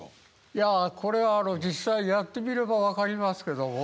いやこれはあの実際やってみれば分かりますけども。